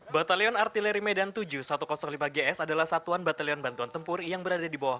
batalion artileri medan tujuh ribu satu ratus lima gs adalah satuan batalion bantuan tempur yang berada di bawah